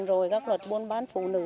rồi các luật buôn bán phụ nữ